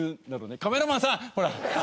「カメラマンさん！ほら」。